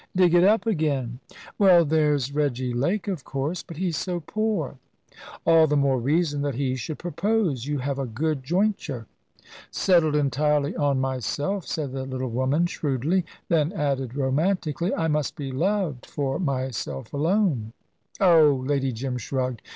"Dig it up again." "Well, there's Reggy Lake, of course; but he's so poor." "All the more reason that he should propose. You have a good jointure." "Settled entirely on myself," said the little woman, shrewdly; then added romantically, "I must be loved for myself alone." "Oh!" Lady Jim shrugged.